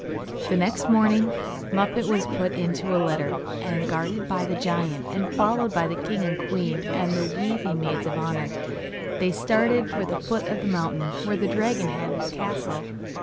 The next morning Muffette was put into a litter, and, guarded by the giant and followed by the king and queen and the weeping maids of honour, they started for the foot of the mountain where the dragon had his castle.